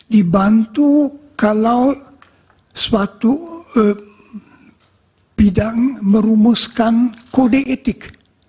dibantu kalau suatu bidang merumuskan kode etik